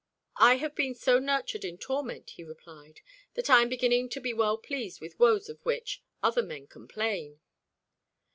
"I have been so nurtured in torment," he replied, "that I am beginning to be well pleased with woes of which other men complain."